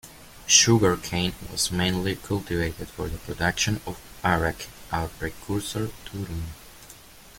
Sugar cane was mainly cultivated for the production of "arrack", a precursor to rum.